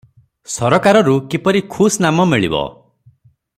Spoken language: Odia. ସରକାରରୁ କିପରି ଖୁସ୍-ନାମ ମିଳିବ